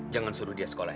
jangan suruh dia sekolah ya